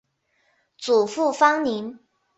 祖父方宁。